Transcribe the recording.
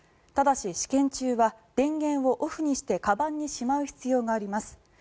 ただし、試験中は電源をオフにしてかばんにしまう必要があります。